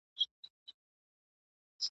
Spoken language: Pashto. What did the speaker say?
که په ځان هرڅومره غټ وو خو غویی وو .